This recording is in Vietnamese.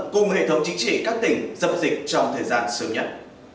cùng hệ thống chính trị các tỉnh dập dịch trong thời gian sớm nhất